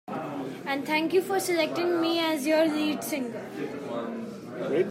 And thank you for selecting me as your lead singer.